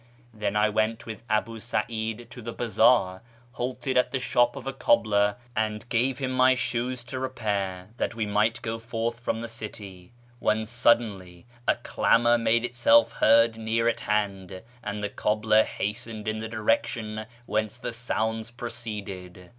Then I went with Abu Sa'id to the bazaar, halted at the shop of a cobbler, and gave him my shoes to repair, that we might go forth from the city, when suddenly a clamour made itself heard near at hand, and the cobbler hastened in the direction whence the sounds proceeded.